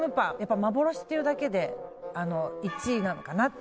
幻っていうだけで１位なのかなって。